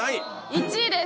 １位です。